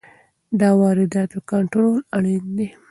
د وارداتو کنټرول اړین دی.